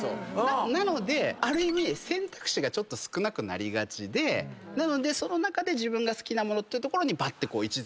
なのである意味選択肢がちょっと少なくなりがちでその中で自分が好きなものっていうところにバッていちず。